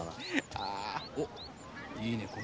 あっいいね。